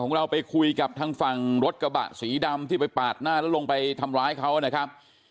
ของเราไปคุยกับทางฝั่งรถกระบะสีดำที่ไปปาดหน้าแล้วลงไปทำร้ายเขานะครับ